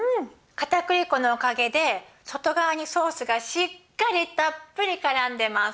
かたくり粉のおかげで外側にソースがしっかりたっぷりからんでます。